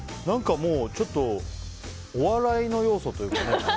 もう、ちょっとお笑いの要素というか。